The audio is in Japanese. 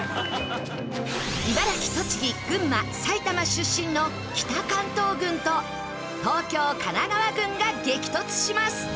茨城栃木群馬埼玉出身の北関東軍と東京・神奈川軍が激突します！